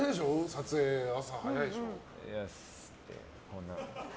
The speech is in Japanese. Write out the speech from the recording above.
撮影、朝早いでしょ。